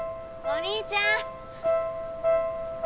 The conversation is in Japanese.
お兄ちゃん！